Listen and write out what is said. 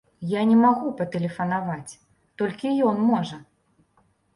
Я не магу патэлефанаваць, толькі ён можа.